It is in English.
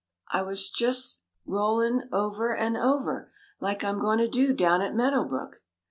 "I was jest rollin' over an' over, like I'm goin' to do down at Meadow Brook."